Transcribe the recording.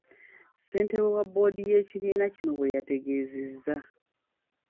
Ssentebe wa bboodi y’ekibiina kino bweyategeezezza.